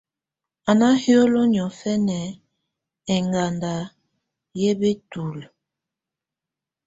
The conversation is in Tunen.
Á ná hìóló niɔ̀fɛna ɛŋganda yɛ́ bǝ́tulǝ́.